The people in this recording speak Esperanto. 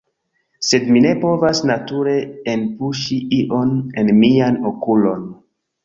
Sed mi ne povas nature enpuŝi ion en mian okulon